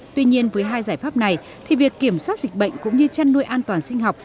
tuy nhiên với hai giải pháp này thì việc kiểm soát dịch bệnh cũng như chăn nuôi an toàn sinh học